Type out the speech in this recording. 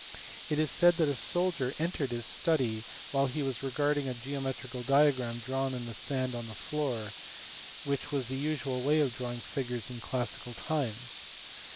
It is said that a soldier entered his study while he was regarding a geometrical diagram drawn in sand on the floor, which was the usual way of drawing figures in classical times.